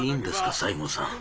西郷さん。